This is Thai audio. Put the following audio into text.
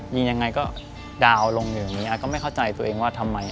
ยังไงก็ดาวน์ลงอย่างนี้ก็ไม่เข้าใจตัวเองว่าทำไม